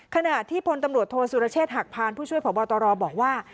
ขณะที่พลตำรวจโทษสุรเชษฐหักพานผู้ช่วยพบตรบอกว่า